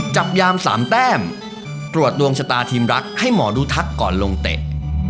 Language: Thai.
จับยามสามแต้มตรวจดวงชะตาทีมรักให้หมอดูทักก่อนลงเตะ